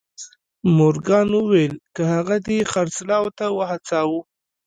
مورګان وويل که هغه دې خرڅلاو ته وهڅاوه.